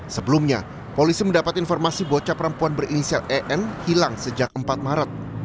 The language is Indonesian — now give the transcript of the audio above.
sebelumnya polisi mendapat informasi bocah perempuan berinisial en hilang sejak empat maret